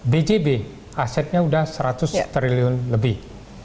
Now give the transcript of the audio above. bjb asetnya sudah seratus triliun lebih